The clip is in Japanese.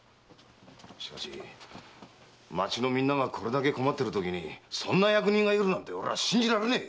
しかし町のみんながこれだけ困ってるときにそんな役人がいるなんて信じられねえ！